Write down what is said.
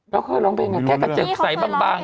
เราเคยร้องเพลงนะแค่กระเจ็ดใสบาง